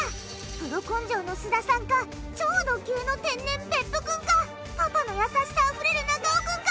プロ根性の須田さんか超ド級の天然別府君かパパの優しさあふれる中尾君か？